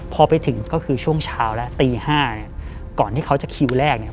พอไปถึงก็คือช่วงเช้าแล้วตีห้าเนี่ยก่อนที่เขาจะคิวแรกเนี่ย